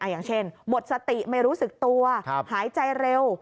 อย่างเช่นหมดสติไม่รู้สึกตัวหายใจเร็ว